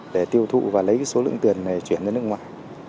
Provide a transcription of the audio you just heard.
để tiêu thụ và lấy số lượng tiền này chuyển ra nước ngoài